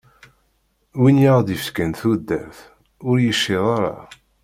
Win i aɣ-d-ifkan tudert, ur yecciḍ ara.